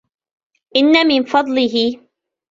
إنَّ مِنْ فَضْلِهِ